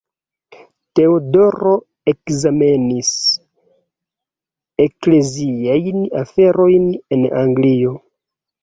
Teodoro ekzamenis ekleziajn aferojn en Anglio.